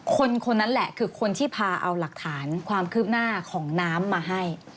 คนคนนั้นแหละคือคนที่พาเอาหลักฐานความคืบหน้าของน้ำมาให้